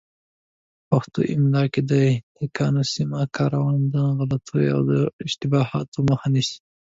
په پښتو املاء کي د یاګانو سمه کارونه د غلطیو او اشتباهاتو مخه نیسي.